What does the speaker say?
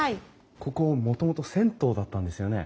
ここもともと銭湯だったんですよね？